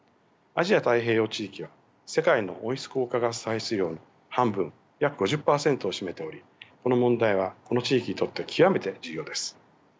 アジア・太平洋地域は世界の温室効果ガス排出量の半分約５０％を占めておりこの問題はこの地域にとって極めて重要です。